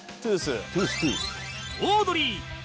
オードリー